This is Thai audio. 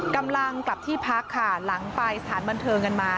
กำลังกลับที่พักค่ะหลังไปสถานบันเทิงกันมา